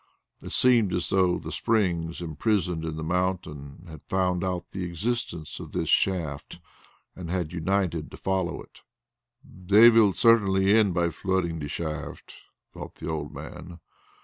It seemed as though the springs imprisoned in the mountain had found out the existence of this shaft and had united to flow into it. "They will certainly end by flooding the shaft," thought the old man.